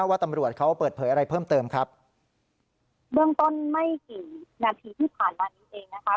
ว่าตำรวจเขาเปิดเผยอะไรเพิ่มเติมครับเบื้องต้นไม่กี่นาทีที่ผ่านมานี้เองนะคะ